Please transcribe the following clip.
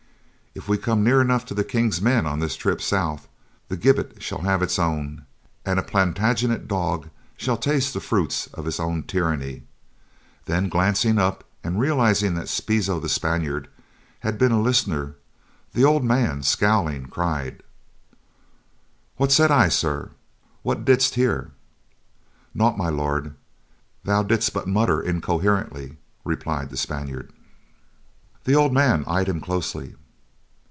If we come near enough to the King's men on this trip south, the gibbet shall have its own, and a Plantagenet dog shall taste the fruits of his own tyranny," then glancing up and realizing that Spizo, the Spaniard, had been a listener, the old man, scowling, cried: "What said I, sirrah? What didst hear?" "Naught, My Lord; thou didst but mutter incoherently," replied the Spaniard. The old man eyed him closely.